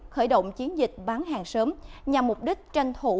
khởi động chiến dịch bán hàng sớm nhằm mục đích tranh thủ